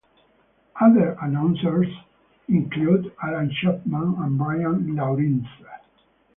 Other announcers include Alan Chapman and Brian Lauritzen.